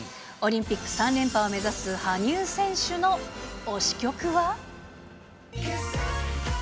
オリンピック３連覇を目指す羽生選手の推し曲は？